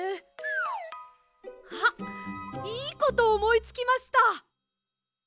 あっいいことおもいつきました！